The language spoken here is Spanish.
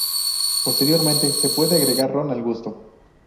Posteriormente se puede agregar ron al gusto.